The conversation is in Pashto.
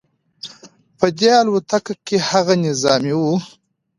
په دې الوتکه کې هغه نظامیان وو